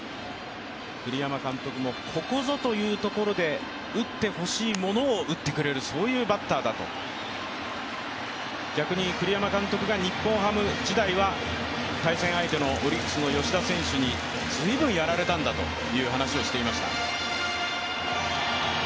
栗山監督もここぞというところで打ってほしいものを打ってくれるというそういうバッターだと、逆に栗山監督が日本ハム時代は対戦相手のオリックスの吉田選手に随分やられたんだという話をしていました。